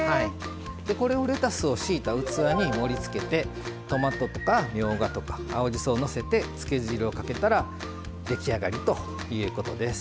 これをレタスを敷いた器に盛りつけてトマトとかみょうがとか青じそをのせてつけ汁をかけたら出来上がりということです。